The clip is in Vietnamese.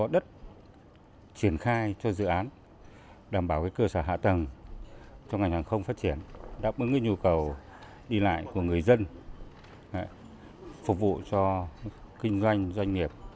đó là một trong những yêu cầu đi lại của người dân phục vụ cho kinh doanh doanh nghiệp